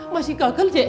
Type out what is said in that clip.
masih gagal c